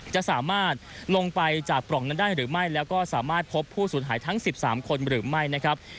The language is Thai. จะสามารถลงไปจากปล่องนั้นได้หรือไม่แล้วก็สามารถพบผู้สูญหายทั้ง๑๓คนหรือไม่นะครับ